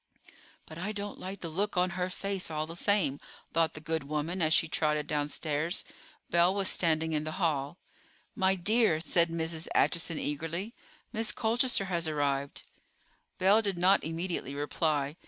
"But I don't like the look on her face, all the same," thought the good woman as she trotted downstairs. Belle was standing in the hall. "My dear," said Mrs. Acheson eagerly, "Miss Colchester has arrived." Belle did not immediately reply.